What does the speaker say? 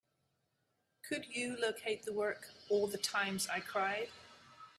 Could you locate the work, All the Times I Cried?